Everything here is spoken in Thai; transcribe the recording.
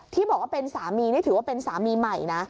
ที่บอกว่าเป็นสามีนี่ถือว่าเป็นสามีใหม่นะ